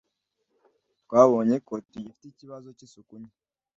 “twabonye ko tugifite ikibazo cy’isuku nke